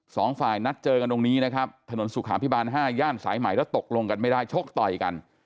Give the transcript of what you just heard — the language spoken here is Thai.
สองฝ่ายนัดเจอกันตรงนี้นะครับถนนสุขาพิบาลห้าย่านสายใหม่แล้วตกลงกันไม่ได้ชกต่อยกัน